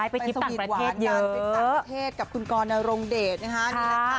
ไปสวีตหวานกันไปสวีตต่างประเทศกับคุณกรณรงด์เดทนะคะ